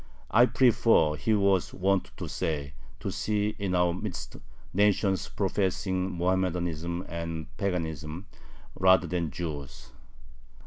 "I prefer," he was wont to say, "to see in our midst nations professing Mohammedanism and paganism rather than Jews.